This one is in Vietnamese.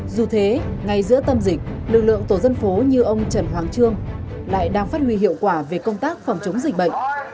dù thế ngay giữa tâm dịch lực lượng tổ dân phố như ông trần hoàng trương lại đang phát huy hiệu quả về công tác phòng chống dịch bệnh